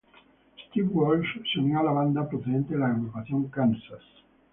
Steve Walsh se unió a la banda procedente de la agrupación Kansas.